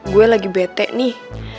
gue lagi bete nih